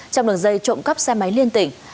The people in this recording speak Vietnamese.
trong đường dây trộm cắp xe máy liên tỉnh